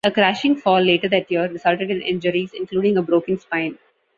A crashing fall later that year resulted in injuries including a broken spine.